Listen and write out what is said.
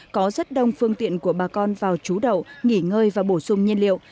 có rất đông phương tiện của bà con vào trú đậu nghỉ ngơi và bổ sung nhiên liệu